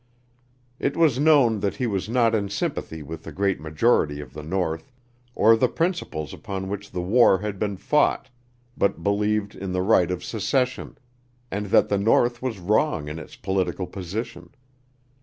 It was known that he was not in sympathy with the great majority of the North, or the principles upon which the war had been fought, but believed in the right of secession, and that the North was wrong in its political position.